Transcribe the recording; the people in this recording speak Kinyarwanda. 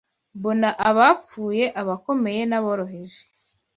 Mbona abapfuye, abakomeye n’aboroheje